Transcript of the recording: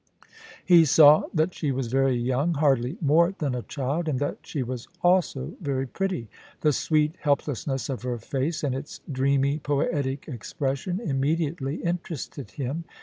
He saw that she was \Qiy young, hardly more than a child, and that she was also ver)' pretty. The sweet help lessness of her face, and its dreamy, poetic expression, im mediately interested him.